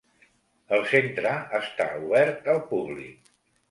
El centre està obert al públic.